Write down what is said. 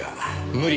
無理。